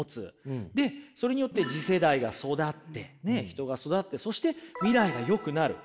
でそれによって次世代が育ってね人が育ってそして未来がよくなる。